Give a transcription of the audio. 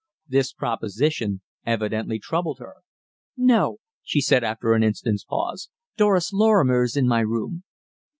This proposition evidently troubled her. "No," she said after an instant's pause. "Doris Lorrimer is in my room."